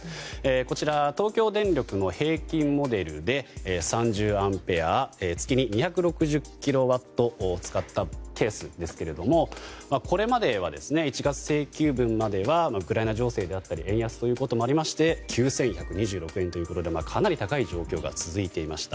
こちら、東京電力の平均モデルで３０アンペア月に２６０キロワット使ったケースですけどもこれまで１月請求分まではウクライナ情勢であったり円安ということもありまして９１２６円ということでかなり高い状況が続いていました。